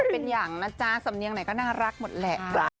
เป็นอย่างนะจ๊ะสำเนียงไหนก็น่ารักหมดแหละ